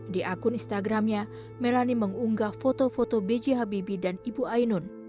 di akun instagramnya melanie mengunggah foto foto bghbb dan ibu ainun